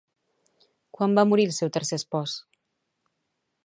Quan va morir el seu tercer espòs?